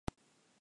沖縄県八重瀬町